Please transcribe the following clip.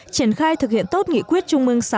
triển khai thực hiện tốt nghị quyết trung mương sáu